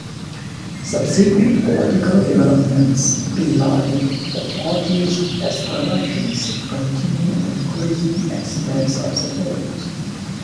Subsequent political developments belied the party's aspirations to continue increasing its base of support.